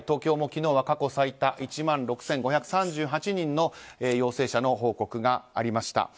東京は昨日も過去最多１万６５３８人の陽性者の報告がありました。